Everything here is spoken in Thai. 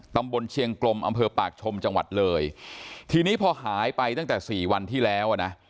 ตำบลเชียงกลมอำเภอปากชมจังหวัดเลยทีนี้พอหายไปตั้งแต่สี่วันที่แล้วอ่ะนะ